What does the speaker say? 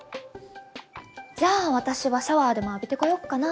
じゃあ私はシャワーでも浴びてこよっかな。